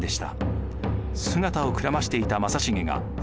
姿をくらましていた正成が再び挙兵。